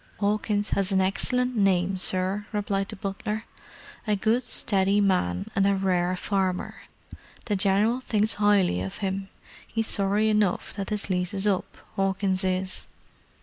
"'Awkins 'as an excellent name, sir," replied the butler. "A good, steady man, and a rare farmer. The General thinks 'ighly of 'im. 'E's sorry enough that 'is lease is up, 'Awkins is."